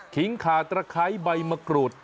ขิงขาตระไข้ใบมะกรูด